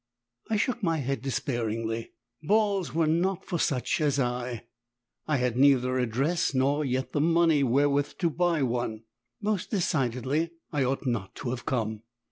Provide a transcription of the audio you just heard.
I shook my head despairingly, balls were not for such as I. I had neither a dress nor yet the money wherewith to buy one. Most decidedly I ought not to have come!